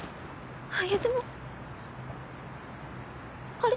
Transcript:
あれ？